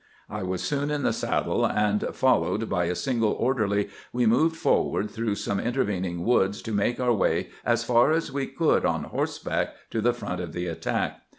I was soon in the saddle, and, followed by a single orderly, we moved forward through some intervening woods, to make our way as far as we could on horseback to the front of the attack.